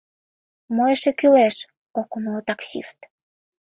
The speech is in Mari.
Мо эше кӱлеш? — ок умыло таксист.